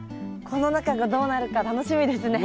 この中がどうなるか楽しみですね。